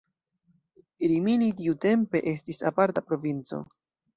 Rimini tiutempe ne estis aparta provinco.